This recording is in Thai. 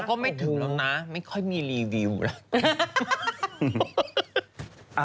ก็ไม่ถือหรอกนะไม่ค่อยมีรีวิวละ